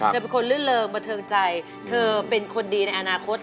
เธอเป็นคนลื่นเริงบันเทิงใจเธอเป็นคนดีในอนาคต